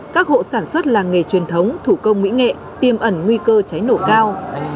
các hộ sản xuất làng nghề truyền thống thủ công mỹ nghệ tiêm ẩn nguy cơ cháy nổ cao